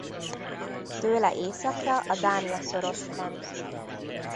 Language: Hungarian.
Tőle északra a Dánia-szoros van.